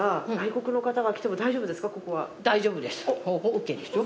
ＯＫですよ。